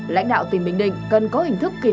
lãnh đạo tỉnh bình định cần có hình thức